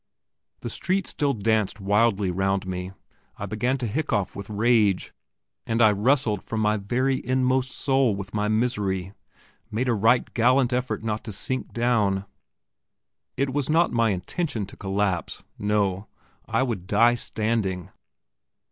The street still danced wildly round me. I began to hiccough with rage, and I wrestled from my very inmost soul with my misery; made a right gallant effort not to sink down. It was not my intention to collapse; no, I would die standing.